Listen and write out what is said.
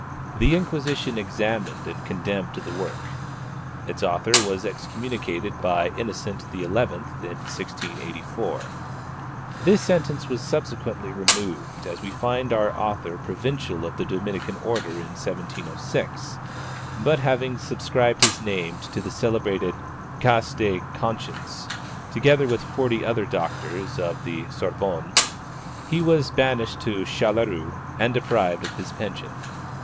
The Inquisition examined and condemned the work. Its author was excommunicated by Innocent XI. in 1684. This sentence was subsequently removed, as we find our author Provincial of the Dominican Order in 1706; but having subscribed his name to the celebrated Cas de Conscience, together with forty other doctors of the Sorbonne, he was banished to Châtelleraut and deprived of his pension.